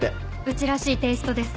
うちらしいテイストです